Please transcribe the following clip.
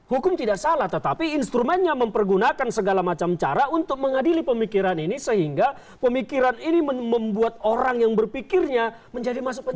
hukum tidak salah tetapi instrumennya mempergunakan segala macam cara untuk mengadili pemikiran ini sehingga pemikiran ini membuat orang yang berpikirnya menjadi masuk penjara